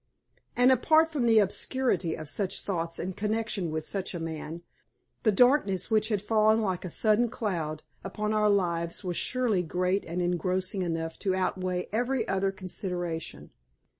And, apart from the absurdity of such thoughts in connection with such a man, the darkness which had fallen like a sudden cloud upon our lives was surely great and engrossing enough to outweigh every other consideration.